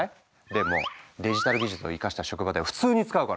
でもデジタル技術を生かした職場では普通に使うから。